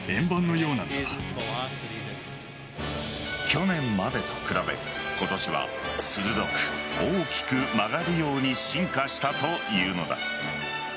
去年までと比べ、今年は鋭く、大きく曲がるように進化したというのだ。